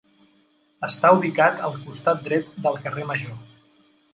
Està ubicat al costat dret del carrer Major.